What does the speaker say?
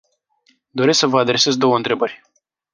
Doresc să vă adresez două întrebări.